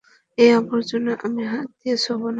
এই আবর্জনা আমি হাত দিয়ে ছোঁব না।